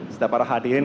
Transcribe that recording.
setelah para hadirin